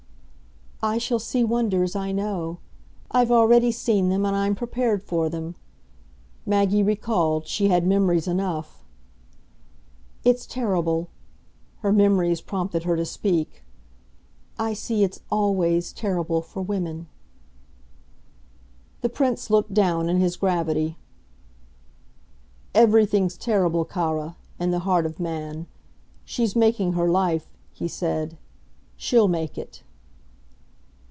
"I shall see wonders, I know. I've already seen them, and I'm prepared for them." Maggie recalled she had memories enough. "It's terrible" her memories prompted her to speak. "I see it's ALWAYS terrible for women." The Prince looked down in his gravity. "Everything's terrible, cara, in the heart of man. She's making her life," he said. "She'll make it."